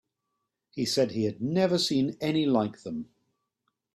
He said he had never seen any like them.